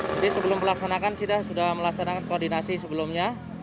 jadi sebelum melaksanakan sudah melaksanakan koordinasi sebelumnya